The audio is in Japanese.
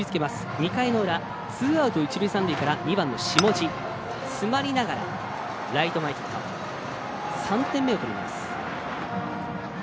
２回の裏ツーアウト、一塁三塁から２番の下地詰まりながらライト前ヒット３点目を取ります。